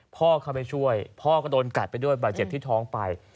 พ่อเข้าไปช่วยพ่อก็โดนกัดไปด้วยบาดเจ็บที่ท้องไป